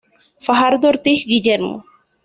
Fajardo Ortiz, Guillermo.